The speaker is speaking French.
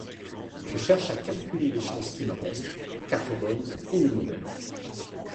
Je cherche à calculer les chances qui me restent: quatre bonnes, une mauvaise.